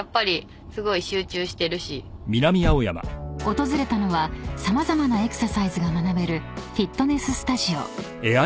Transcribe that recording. ［訪れたのは様々なエクササイズが学べるフィットネススタジオ］